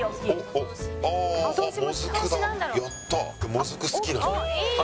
もずく好きなのよ。